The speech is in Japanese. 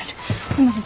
すいません